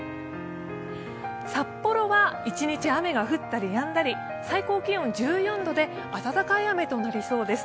札幌は一日雨が降ったりやんだり、最高気温１４度で、温かい雨となりそうです。